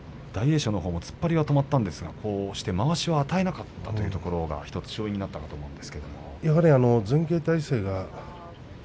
大栄翔も突っ張りは止まったんですがまわしは与えなかったというのが１つ、勝因だったと思います。